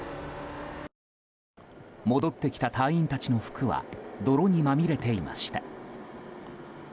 戻ってきた隊員たちの服は泥にまみれていました。